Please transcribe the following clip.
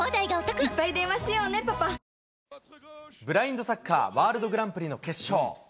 多少、ブラインドサッカーワールドグランプリの決勝。